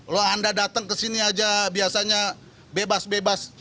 loh anda datang ke sini aja biasanya bebas bebas